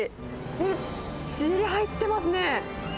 みっちり入ってますね。